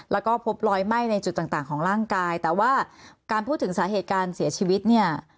แล้วก็พบรอยไหม้ในจุดต่างต่างของร่างกายแต่ว่าการพูดถึงสาเหตุการเสียชีวิตเนี่ย